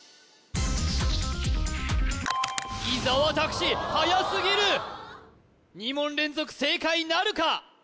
伊沢拓司はやすぎる２問連続正解なるか？